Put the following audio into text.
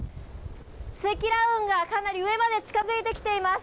積乱雲がかなり上まで近づいてきています。